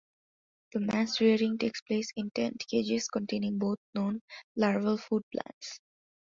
The mass rearing takes place in "tent" cages containing both known larval food plants.